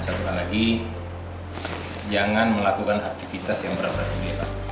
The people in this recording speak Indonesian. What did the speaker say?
dan sekali lagi jangan melakukan aktivitas yang berat ratu ini ya pak